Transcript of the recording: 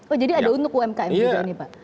oh jadi ada untuk umkm juga nih pak